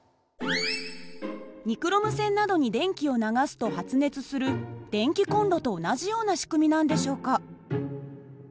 ニクロム線などに電気を流すと発熱する電気コンロと同じような仕組みなんでしょうか？